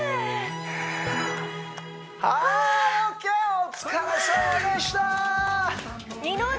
お疲れさまでした！